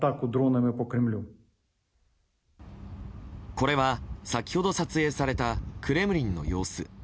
これは先ほど撮影されたクレムリンの様子。